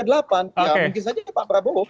ya mungkin saja pak prabowo